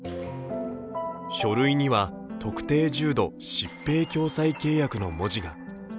書類には、特定重度疾病共済契約の文字が。